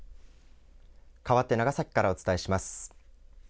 かわって長崎からお伝えします。